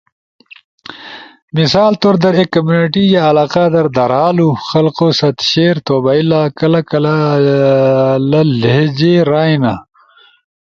مثال طور در ایک کمیونٹی یا علاقہ در دھرالو خلقو ست شیئر تھو بئیلا۔ کلہ کلہ لی لہجے رائینا۔